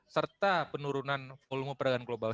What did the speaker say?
serta penurunan volume perdagangan global